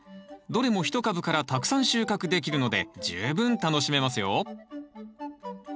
どれも１株からたくさん収穫できるので十分楽しめますよ。